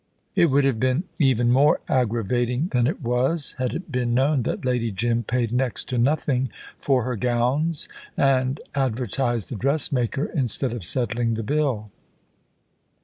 It would have been even more aggravating than it was, had it been known that Lady Jim paid next to nothing for her gowns, and advertised the dressmaker instead of settling the bill.